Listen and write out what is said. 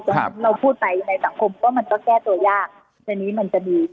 ฉะนั้นเราพูดไปในสังคมก็มันก็แก้ตัวยากทีนี้มันจะดี